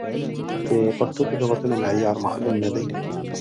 د پښتو د لغتونو معیار معلوم نه دی.